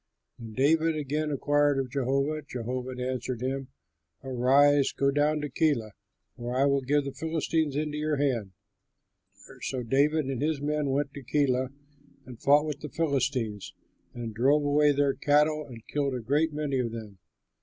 When David again inquired of Jehovah, Jehovah answered him, "Arise, go down to Keilah, for I will give the Philistines into your hand." So David and his men went to Keilah and fought with the Philistines and drove away their cattle and killed a great many of them.